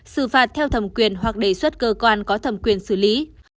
xử phạt theo thẩm quyền hoặc đề xuất cơ quan có thẩm quyền xử lý